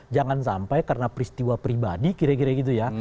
jangan sampai karena peristiwa pribadi kira kira gitu ya